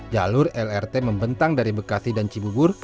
jalur lrt membentang dari bekasi dan cibubur